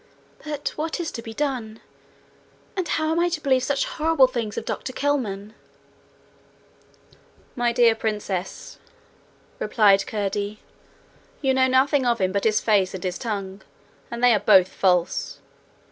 'But what is to be done? And how am I to believe such horrible things of Dr Kelman?' 'My dear Princess,' replied Curdie, 'you know nothing of him but his face and his tongue, and they are both false.